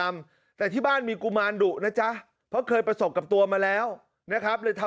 มีรูปด้วยนะครับ